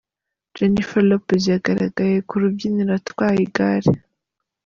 Jennifer Lopez yagaragaye ku rubyiniro atwaye igare.